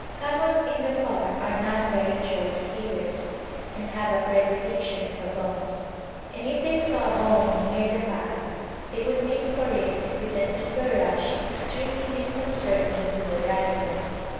Camels in Dhofar are not very choice feeders, and have a predilection for bones, and if they saw a bone near the path they would make for it with an eager rush extremely disconcerting to the rider.